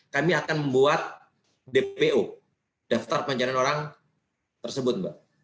kami akan membuat dpo daftar pencarian orang tersebut mbak